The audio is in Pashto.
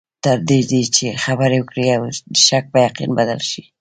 تر دې چې خبرې وکړې او د شک په یقین بدل شي.